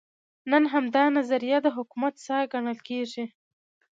نن همدا نظریه د حکومت ساه ګڼل کېږي.